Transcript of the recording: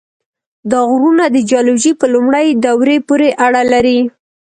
دا غرونه د جیولوژۍ په لومړۍ دورې پورې اړه لري.